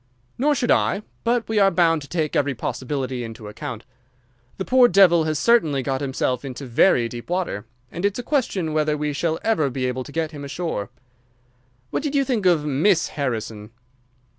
"Nor should I, but we are bound to take every possibility into account. The poor devil has certainly got himself into very deep water, and it's a question whether we shall ever be able to get him ashore. What did you think of Miss Harrison?"